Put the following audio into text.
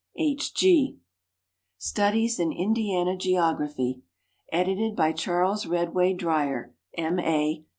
H. G. Studies in Indiana Geography. Edited by Charles Eedway Dryer, M. A.